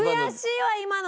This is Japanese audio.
今の。